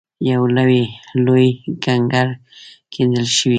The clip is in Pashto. یو لوی کړنګ کیندل شوی.